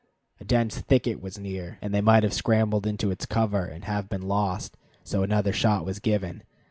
A dense thicket was near, and they might have scrambled into its cover and have been lost, so another shot was given.